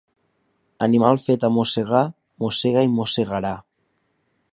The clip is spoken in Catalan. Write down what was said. Animal fet a mossegar mossega i mossegarà.